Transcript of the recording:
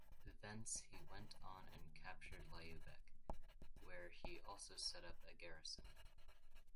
Thence he went on and captured Lyubech, where he also set up a garrison.